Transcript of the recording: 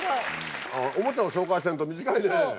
おもちゃを紹介してると短いね。